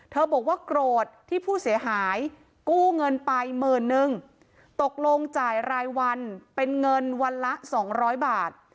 บอกว่าโกรธที่ผู้เสียหายกู้เงินไปหมื่นนึงตกลงจ่ายรายวันเป็นเงินวันละสองร้อยบาท